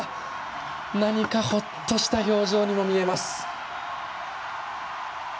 何かほっとした表情にも見えます。